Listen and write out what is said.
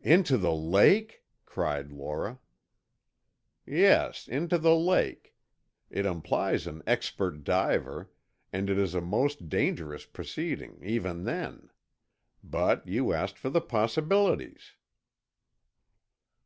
"Into the lake!" cried Lora. "Yes, into the lake. It implies an expert diver, and it is a most dangerous proceeding, even then. But you asked for the possibilities."